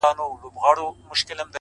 o گوره را گوره وه شپوږمۍ ته گوره؛